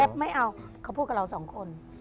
แอฟบอกแอฟไม่เอาเขาพูดกับเราสองคน